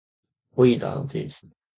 オイラーの定理